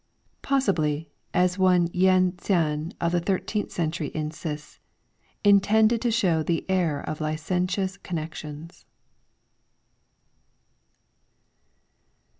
Possibly, as one Yen Ts'an of the thirteenth century insists, 'intended to show the error of licentious connections.'